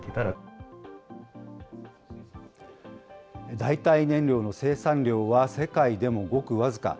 代替燃料の生産量は世界でもごく僅か。